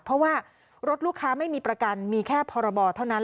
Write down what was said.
เพราะว่ารถลูกค้าไม่มีประกันมีแค่พรบเท่านั้น